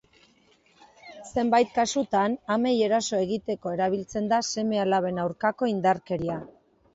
Zenbait kasutan amei eraso egiteko erabiltzen da seme-alaben aurkako indarkeria.